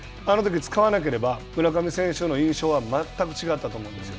あのとき使わなければ村上選手の印象は全く違ったと思いますよ。